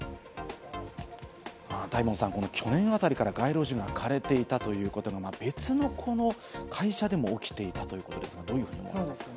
大門さん、去年あたりから街路樹が枯れていたということが別のこの会社でも起きていたということですが、どうですか？